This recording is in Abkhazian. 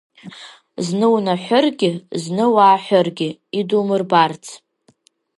Зны унаҳәыргьы, зны уааҳәыргьы, идумырбарц.